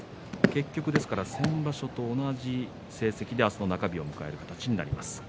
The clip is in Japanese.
結局、先場所と同じ成績で明日の中日を待つことになります。